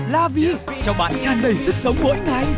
lavie cho bạn tràn đầy sức sống mỗi ngày